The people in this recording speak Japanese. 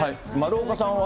丸岡さんは。